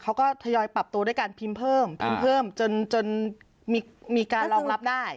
เขาก็ทยอยปรับโตด้วยการพิมพ์เพิ่มจนมีการรองรับได้